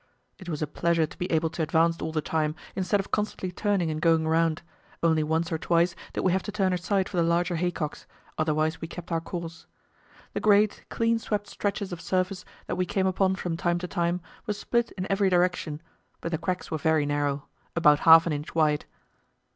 It was a pleasure to be able to advance all the time, instead of constantly turning and going round; only once or twice did we have to turn aside for the larger haycocks, otherwise we kept our course. The great, clean swept stretches of surface that we came upon from time to time were split in every direction, but the cracks were very narrow about half an inch wide.